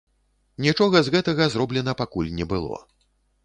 Нічога з гэтага зроблена пакуль не было.